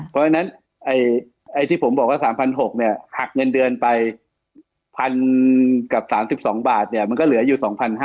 เพราะฉะนั้นที่ผมบอกว่า๓๖๐๐เนี่ยหักเงินเดือนไป๑๐๐กับ๓๒บาทเนี่ยมันก็เหลืออยู่๒๕๐๐